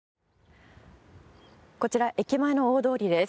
こちら駅前の大通りです。